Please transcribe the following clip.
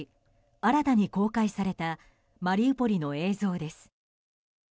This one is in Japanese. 新たに公開されたマリウポリの映像です。